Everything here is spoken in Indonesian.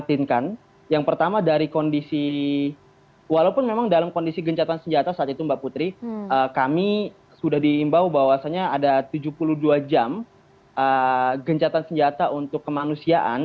yang pertama dari kondisi walaupun memang dalam kondisi gencatan senjata saat itu mbak putri kami sudah diimbau bahwasannya ada tujuh puluh dua jam gencatan senjata untuk kemanusiaan